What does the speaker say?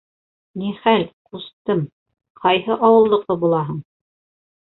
— Нихәл, ҡустым, ҡайһы ауылдыҡы булаһың?